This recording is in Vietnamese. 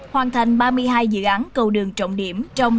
hoàn thành ba mươi hai dự án cầu đường trọng điểm